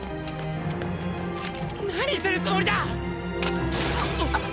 何するつもりだ⁉うっ！！